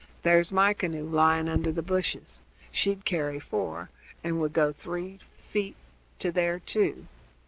There's my canoe lying under the bushes; she'd carry four, and would go three feet to their two."